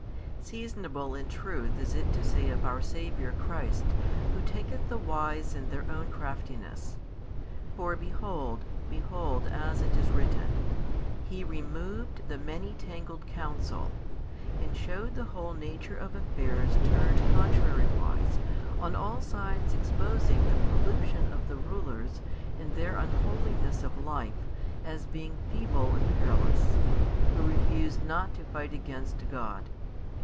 Seasonable in truth is it to say of our Saviour Christ, Who taketh the wise in their own craftiness. For behold, behold as it is written, He removed the many tangled counsel, and shewed the whole nature of affairs turned contrariwise, on all sides exposing the pollution of the rulers and their unholiness of life as being feeble and perilous, who refused not to fight against God.